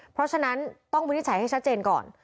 เพราะฉะนั้นต้องวินิจฉัยให้ชัดเจนก่อน